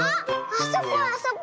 あそこあそこ。